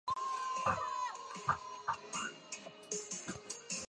并把功夫传给儿子杨志光和弟子梅益本等人。